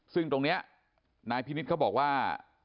ซึ่งตรงนี้นายพินิษฐ์เขาบอกว่า